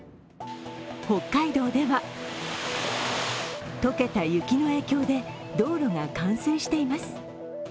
北海道では解けた雪の影響で道路が冠水しています。